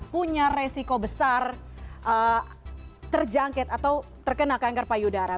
punya resiko besar terjangkit atau terkena kanker payudara